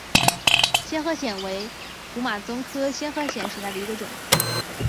仙鹤藓为土马鬃科仙鹤藓属下的一个种。